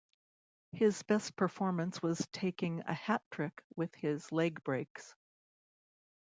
His best performance was taking a hat-trick with his leg breaks.